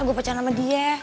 gua pacaran sama dia